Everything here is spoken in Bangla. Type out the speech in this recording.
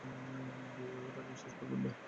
তাকে বিশ্বাস করবেন না।